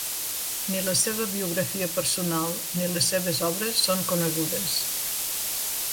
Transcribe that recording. Ni la seva biografia personal ni les seves obres són conegudes.